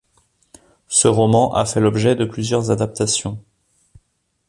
Ce roman a fait l'objet de plusieurs adaptations.